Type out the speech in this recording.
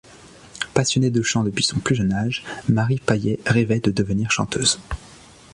Passionnée de chant depuis son plus jeune âge, Marie Payet rêvait de devenir chanteuse.